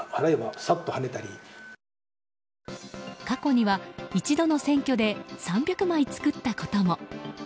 過去には一度の選挙で３００枚作ったことも。